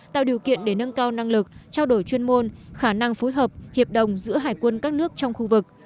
tạo điều kiện để nâng cao năng lực trao đổi chuyên môn khả năng phối hợp hiệp đồng giữa hải quân các nước trong khu vực